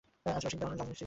আজ রসিকদা হলেন রাজমন্ত্রী।